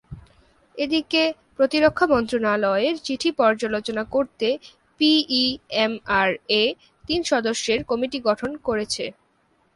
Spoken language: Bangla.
এদিকে প্রতিরক্ষা মন্ত্রণালয়ের চিঠি পর্যালোচনা করতে পিইএমআরএ তিন সদস্যের কমিটি গঠন করেছে।